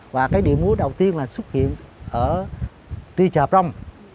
và cái điệu múa đầu tiên là xuất hiện ở tri trợp rông